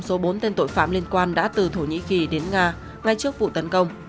hai trăm linh số bốn tên tội phạm liên quan đã từ thổ nhĩ kỳ đến nga ngay trước vụ tấn công